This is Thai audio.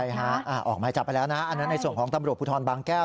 ใช่ฮะออกหมายจับไปแล้วนะอันนั้นในส่วนของตำรวจภูทรบางแก้ว